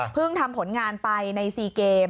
ทำผลงานไปใน๔เกม